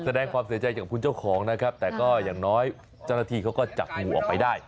แสดงความเสียใจอย่างคุณเจ้าของนะครับแต่ก็อย่างน้อยเจ้าหน้าที่เขาก็จับงูออกไปได้